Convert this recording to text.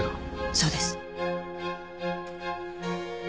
そうです。